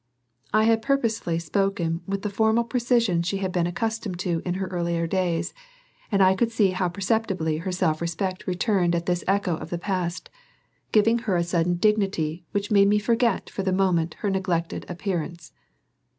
I had purposely spoken with the formal precision she had been accustomed to in her earlier days, and I could see how perceptibly her self respect returned at this echo of the past, giving her a sudden dignity which made me forget for the moment her neglected appearance.